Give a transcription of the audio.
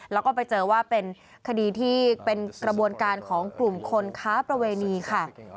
แล้วก็ไปเจอว่าเป็นคดีที่เป็นกระบวนการของกลุ่มคนค้าประเวณีค่ะ